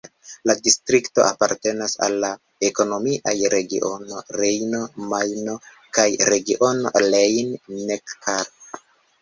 La distrikto apartenas al la ekonomiaj regiono Rejno-Majno kaj regiono Rhein-Neckar.